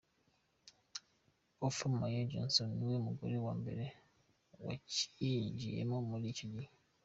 Opha Mae Johnson niwe mugore wa mbere wakinjiyemo muri icyo gihe.